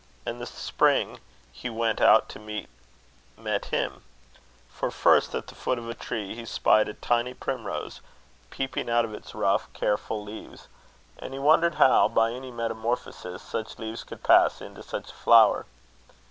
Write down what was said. And the Spring he went out to meet, met him. For, first, at the foot of a tree, he spied a tiny primrose, peeping out of its rough, careful leaves; and he wondered how, by any metamorphosis, such leaves could pass into such a flower.